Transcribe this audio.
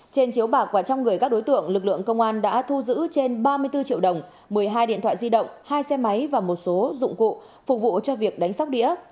trên chiếu bạc và trong người các đối tượng lực lượng công an đã thu giữ trên ba mươi bốn triệu đồng một mươi hai điện thoại di động hai xe máy và một số dụng cụ phục vụ cho việc đánh sóc đĩa